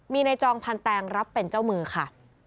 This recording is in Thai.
มีในจองพันแตงรับเป็นเจ้ามือค่ะ